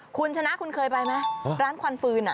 คุณชนะคุณเคยไปไหมร้านควันฟืน